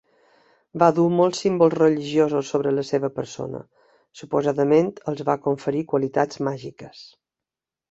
Va dur molts símbols religiosos sobre la seva persona; suposadament els va conferir qualitats màgiques.